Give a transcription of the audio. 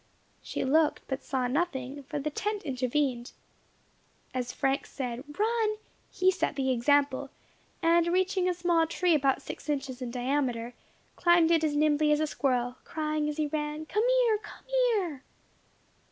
She looked, but saw nothing, for the tent intervened. As Frank said "run!" he set the example, and reaching a small tree about six inches in diameter, climbed it as nimbly as a squirrel, crying as he ran, "Come here! Come here!"